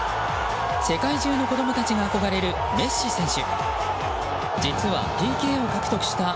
世界中の子供たちが憧れるメッシ選手。